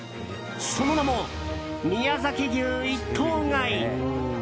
その名も、宮崎牛一頭買い。